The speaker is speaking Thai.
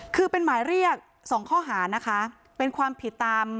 คือเป็นหมายเรียกสองข้อหานะคะเป็นความผิดตาม